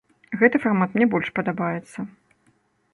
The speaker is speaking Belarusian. Гэты фармат мне больш падабаецца.